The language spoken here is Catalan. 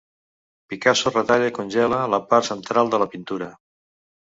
Picasso retalla i congela la part central de la pintura.